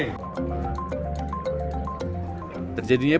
terjadinya penundaan pelantikan dua pejabat